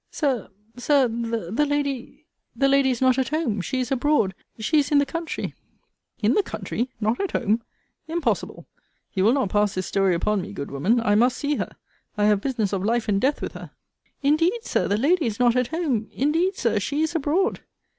Sir, Sir, the lady, the lady is not at home she is abroad she is in the country In the country! Not at home! Impossible! You will not pass this story upon me, good woman. I must see her. I have business of life and death with her. Indeed, Sir, the lady is not at home! Indeed, Sir, she is abroad!